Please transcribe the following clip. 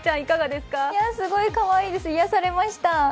すごいかわいいです、癒やされました。